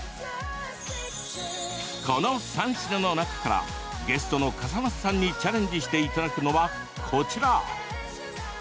この３品の中からゲストの笠松さんにチャレンジしていただくのはこちら。